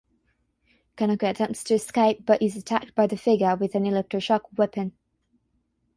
Kanako attempts to escape but is attacked by the figure with an electroshock weapon.